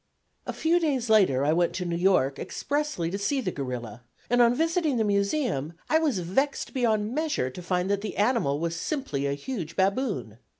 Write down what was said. A few days later I went to New York expressly to see the gorilla, and on visiting the Museum, I was vexed beyond measure to find that the animal was simply a huge baboon!